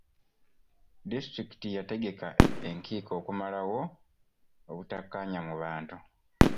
Disitulikiti yategeka enkiiko okumalawo obutakkaanya mu bantu.